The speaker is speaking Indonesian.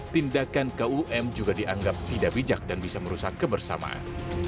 tindakan kum juga dianggap tidak bijak dan bisa merusak kebersamaan